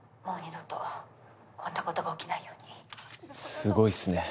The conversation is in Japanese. すごいっすね